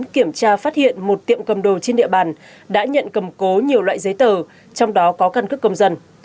kiểm tra phát hiện một tiệm cầm đồ trên địa bàn đã nhận cầm cố nhiều loại giấy tờ trong đó có căn cước công dân